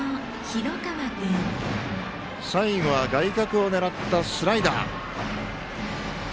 最後は外角を狙ったスライダー。